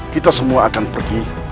kita semua akan pergi